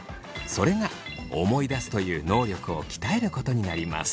それが思い出すという能力を鍛えることになります。